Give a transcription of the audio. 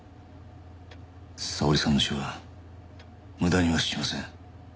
沙織さんの死は無駄にはしません。